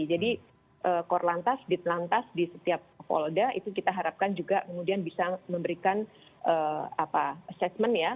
jadi kor lantas dit lantas di setiap polda itu kita harapkan juga kemudian bisa memberikan assessment ya